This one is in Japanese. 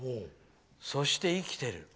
そして生きてる。